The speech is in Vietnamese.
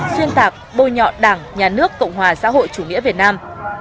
xuyên tạc bôi nhọ đảng nhà nước cộng hòa xã hội chủ nghĩa việt nam